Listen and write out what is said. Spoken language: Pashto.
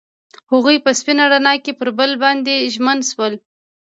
هغوی په سپین رڼا کې پر بل باندې ژمن شول.